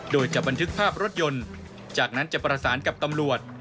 โดยจะบันทึกภาพรถยนต์จากนั้นจะประสานกับตำรวจ